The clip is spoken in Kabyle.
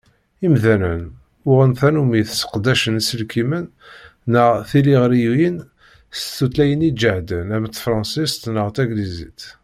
Imdanen, uɣen tannumi sseqdacen iselkimen neɣ tiliɣriyin s tutlayin iǧehden am tefransist neɣ taglizit.